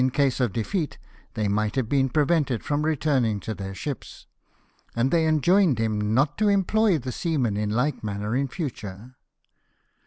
case of defeat, they might have been prevented from returning to their ships ; and they enjoined him " not to employ the seamen in Hke manner in future."